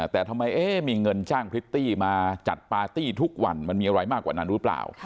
แต่ทำไมมีเงินจ้างพริตตี้มาจัดปาร์ตี้ทุกวันมันมีอะไรมากกว่านั้นหรือเปล่า